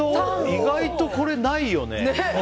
意外とないよね。